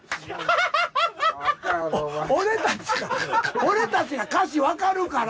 俺たちが俺たちが歌詞分かるから。